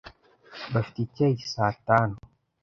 Bafite icyayi saa tanu.